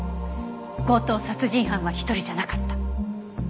強盗殺人犯は１人じゃなかった。